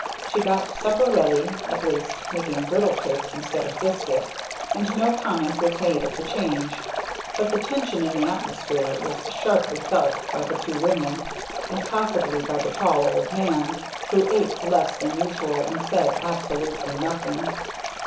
She got supper ready, at last, making griddle cakes instead of biscuit, and no comment was made of the change: but the tension in the atmosphere was sharply felt by the two women; and possibly by the tall old man, who ate less than usual, and said absolutely nothing.